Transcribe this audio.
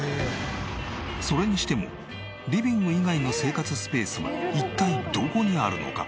それにしてもリビング以外の生活スペースは一体どこにあるのか？